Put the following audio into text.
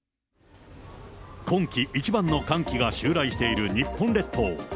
今季一番の寒気が襲来している日本列島。